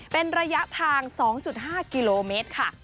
เป็นระยะทาง๒๕กิโลเมตรค่ะ